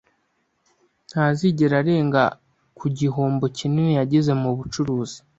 Ntazigera arenga ku gihombo kinini yagize mu bucuruzi